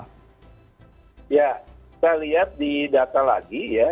ya kita lihat di data lagi ya